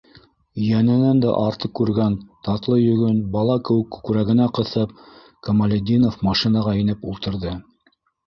Йәненән дә артыҡ күргән татлы йөгөн бала кеүек күкрәгенә ҡыҫып, Камалетдинов машинаға инеп ултырҙы.